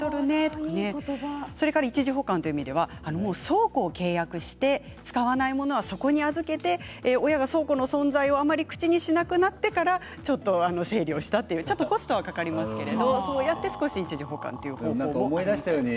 それから一時保管という意味では倉庫を契約して使わないものはそこに預けて親が倉庫の存在をあまり口にしなくなってから整理をしたとちょっとコストかかりますけどそうやって一時保管という方法があるんですね。